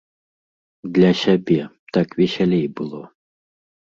Для сябе, так весялей было.